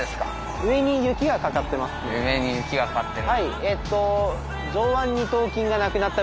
上に雪がかかってる。